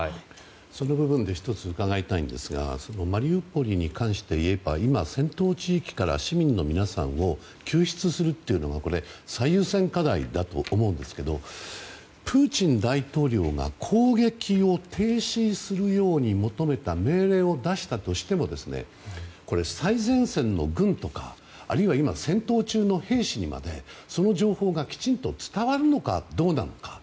その部分で１つ伺いたいんですがマリウポリに関していえば今、戦闘地域から市民の皆さんを救出するのは最優先課題だと思うんですけどプーチン大統領が攻撃を停止するように求めた命令を出したとしても最前線の軍とかあるいは今、戦闘中の兵士にまでその情報がきちんと伝わるのかどうなのか。